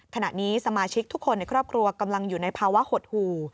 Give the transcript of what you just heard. ขณะนี้สมาชิกทุกคนในครอบครัวกำลังอยู่ในภาวะหดหู่